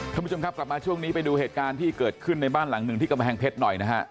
ท่านผู้ชมครับกลับมาช่วงนี้ไปดูเหตุการณ์ที่เกิดขึ้นในบ้านหลังหนึ่งที่กำแพงเพชรหน่อยนะฮะ